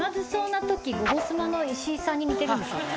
『ゴゴスマ』の石井さんに似てるんですよね。